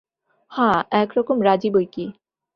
হাঁ, একরকম রাজি বৈকি।